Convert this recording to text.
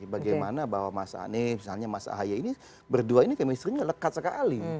bagaimana bahwa mas ani misalnya mas ahi ini berdua ini chemistry nya lekat sekali